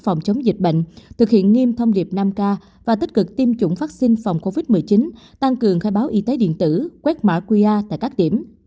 phòng chống dịch bệnh thực hiện nghiêm thông điệp năm k và tích cực tiêm chủng vaccine phòng covid một mươi chín tăng cường khai báo y tế điện tử quét mã qr tại các điểm